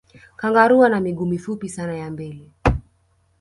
kangaroo ana miguu mifupi sana ya mbele